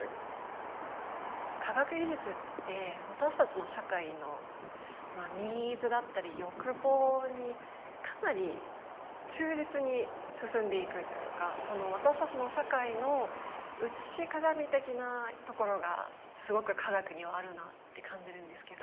科学技術って私たちの社会のニーズだったり欲望にかなり忠実に進んでいくというかその私たちの社会の映し鏡的なところがすごく科学にはあるなって感じるんですけど。